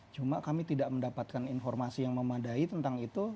cuma kami tidak mendapatkan informasi yang memadai tentang itu